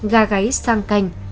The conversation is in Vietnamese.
gà gáy sang canh